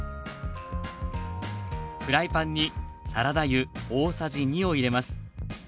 フライパンにサラダ油大さじ２を入れます。